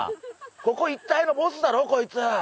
ここ一帯のボスだろこいつ！」